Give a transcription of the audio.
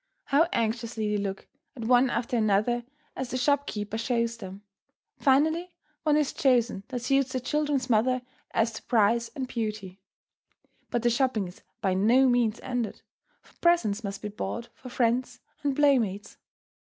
How anxiously they look at one after another as the shopkeeper shows them. Finally one is chosen that suits the children's mother as to price and beauty. But the shopping is by no means ended, for presents must be bought for friends and playmates.